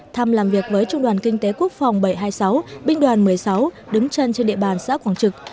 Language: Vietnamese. thăm làm việc với trung đoàn kinh tế quốc phòng bảy trăm hai mươi sáu binh đoàn một mươi sáu đứng chân trên địa bàn xã quảng trực